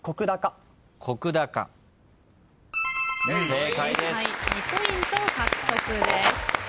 正解２ポイント獲得です。